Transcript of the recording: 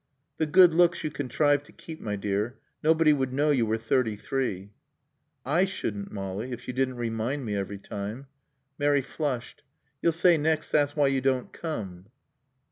"The good looks you contrive to keep, my dear. Nobody would know you were thirty three." "I shouldn't, Molly, if you didn't remind me every time." Mary flushed. "You'll say next that's why you don't come."